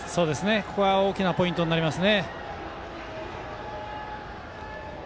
ここが一番大きなポイントになります。